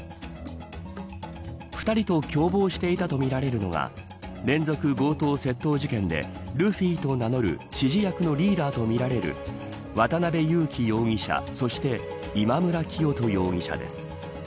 ２人と共謀していたとみられるのは連続強盗・窃盗事件でルフィと名乗る指示役のリーダーとみられる渡辺優樹容疑者そして今村磨人容疑者です。